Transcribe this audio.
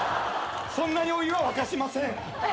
そんなにお湯は沸かしません。